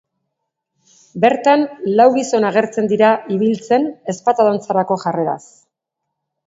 Bertan, lau gizon agertzen dira ibiltzen ezpata dantzarako jarreraz.